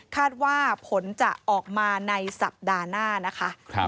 ว่าผลจะออกมาในสัปดาห์หน้านะคะ